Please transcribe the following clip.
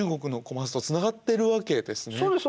そうです